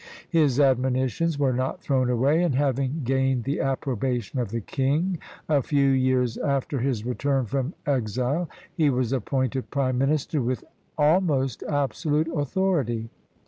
His admonitions were not thrown away; and having gained the approbation of the king a few years after his return from exile, he was appointed prime minister with almost absolute authority.